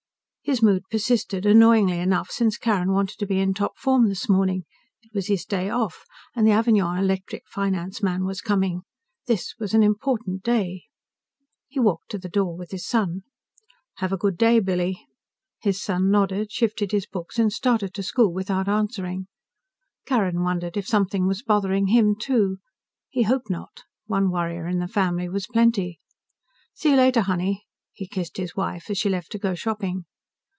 His mood persisted, annoyingly enough since Carrin wanted to be in top form this morning. It was his day off, and the Avignon Electric finance man was coming. This was an important day. He walked to the door with his son. "Have a good day, Billy." His son nodded, shifted his books and started to school without answering. Carrin wondered if something was bothering him, too. He hoped not. One worrier in the family was plenty. "See you later, honey." He kissed his wife as she left to go shopping.